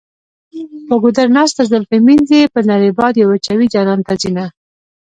په ګودر ناسته زلفې مینځي په نري باد یې وچوي جانان ته ځینه.